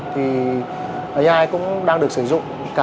thì ai cũng đang được sử dụng